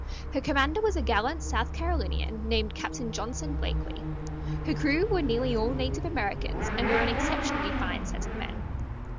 Her commander was a gallant South Carolinian named Captain Johnson Blakeley. Her crew were nearly all native Americans, and were an exceptionally fine set of men.